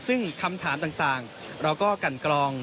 ซึ่งคำถามต่างเราก็กันกรอง